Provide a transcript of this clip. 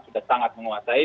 sudah sangat menguasai